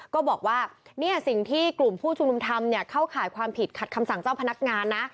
ก็บอกว่าเนี่ยสิ่งที่กลุ่มผู้ชุมนุมทำเนี่ยเข้าข่ายความผิดขัดคำสั่งเจ้าพนักงานนะ